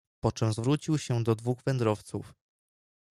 "Poczem zwrócił się do dwóch wędrowców."